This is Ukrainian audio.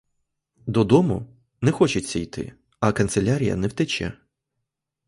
Додому не хочеться йти, а канцелярія не втече.